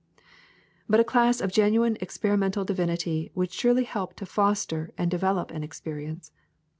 But a class of genuine experimental divinity would surely help to foster and develop an experience.